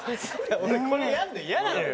俺これやるの嫌なのよ。